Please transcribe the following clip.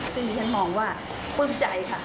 ซึ่งดิฉันมองว่าปลื้มใจค่ะ